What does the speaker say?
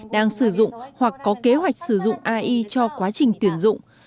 đang sử dụng hoặc có kế hoạch sử dụng ai cho quá trình tuyển dụng